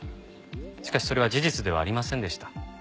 しかしそれは事実ではありませんでした。